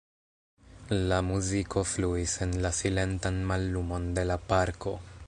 La muziko fluis en la silentan mallumon de la parko.